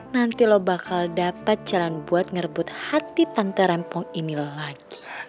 nanti lo bakal dapat jalan buat ngerebut hati tante rempong ini lagi